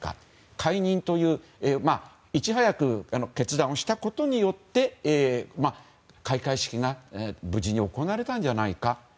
解任といういち早く決断をしたことによって開会式が無事に行われたんじゃないかと。